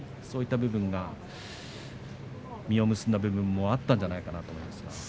そういったところ実を結んだ部分もあったんじゃないかと思いますが。